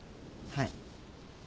はい。